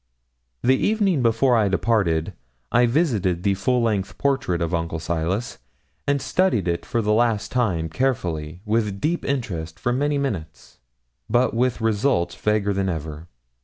The evening before I departed I visited the full length portrait of Uncle Silas, and studied it for the last time carefully, with deep interest, for many minutes; but with results vaguer than ever.